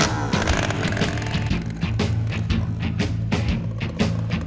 jadi kita harus mencari yang lebih baik